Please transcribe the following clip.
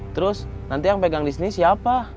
terus nanti yang pegang di sini siapa